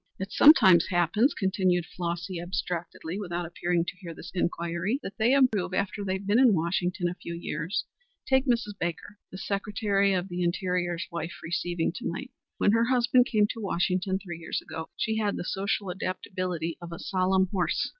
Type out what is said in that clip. "It sometimes happens," continued Flossy abstractedly, without appearing to hear this inquiry, "that they improve after they've been in Washington a few years. Take Mrs. Baker, the Secretary of the Interior's wife, receiving to night. When her husband came to Washington three years ago she had the social adaptability of a solemn horse.